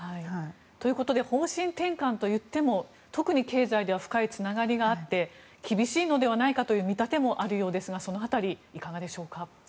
ということで方針転換といっても特に経済では深いつながりがあって厳しいのではないかという見立てもあるようですがその辺り、いかがでしょうか。